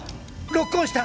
ロックオンした！